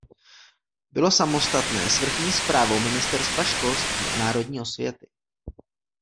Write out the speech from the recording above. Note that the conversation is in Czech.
Bylo samostatné s vrchní správou Ministerstva školství a národní osvěty.